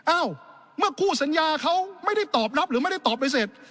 อ้าวเมื่อคู่สัญญาเขาไม่ได้ตอบรับหรือไม่ได้ตอบไปเสร็จ